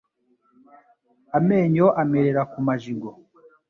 Amenyo amerera ku majigo